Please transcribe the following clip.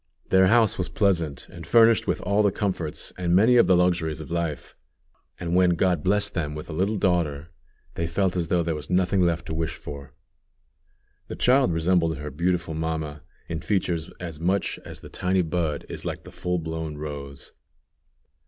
Their house was pleasant, and furnished with all the comforts and many of the luxuries of life; and when God blessed them with a little daughter, they felt as though there was nothing left to wish for. The child resembled her beautiful mamma in features as much as the tiny bud is like the full blown rose.